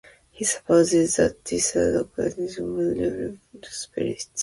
He supposes that this accident has really befallen his spirit.